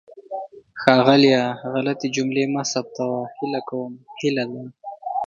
ښاغلیه! غلطې جملې مه ثبتوه. هیله کوم هیله ده.